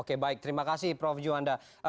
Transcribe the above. oke baik terima kasih prof juwanda